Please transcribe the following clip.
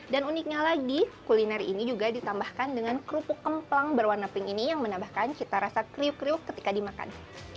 dan uniknya lagi kuliner ini juga ditambahkan dengan kerupuk kemplang berwarna pink ini yang menambahkan cita rasa kriuk kriuk ketika dimakan